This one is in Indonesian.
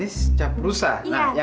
ini bener ini mas